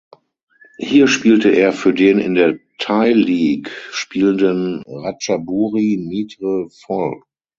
Hier spielte er für den in der Thai League spielenden Ratchaburi Mitr Phol.